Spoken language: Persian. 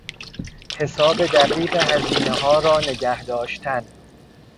حساب دقیق هزینهها را نگه داشتن